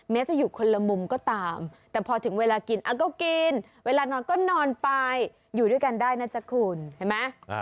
จะอยู่คนละมุมก็ตามแต่พอถึงเวลากินก็กินเวลานอนก็นอนไปอยู่ด้วยกันได้นะจ๊ะคุณเห็นไหม